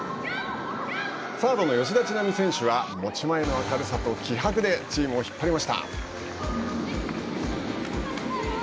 サードの吉田知那美選手は持ち前の明るさと気迫でチームを引っ張りました。